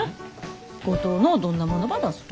五島のどんなものば出すと？